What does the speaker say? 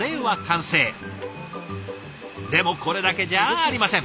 でもこれだけじゃありません。